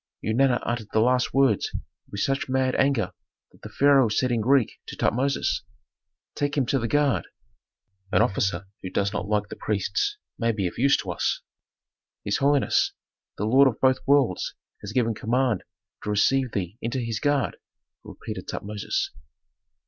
Eunana uttered the last words with such mad anger that the pharaoh said in Greek to Tutmosis, "Take him to the guard. An officer who does not like the priests may be of use to us." "His holiness, the lord of both worlds has given command to receive thee into his guard," repeated Tutmosis.